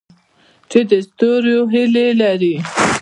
چې د ستورو هیلې لري؟